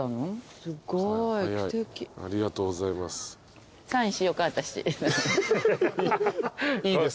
ありがとうございます。